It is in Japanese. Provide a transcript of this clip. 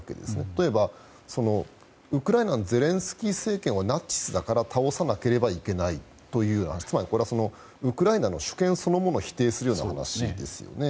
例えば、ウクライナのゼレンスキー政権はナチスだから倒さなければいけないというのはつまり、これはウクライナの主権そのものを否定するような発言ですよね。